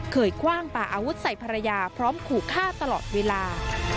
คว่างปลาอาวุธใส่ภรรยาพร้อมขู่ฆ่าตลอดเวลา